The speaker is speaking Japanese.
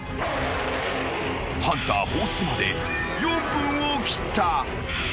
［ハンター放出まで４分を切った］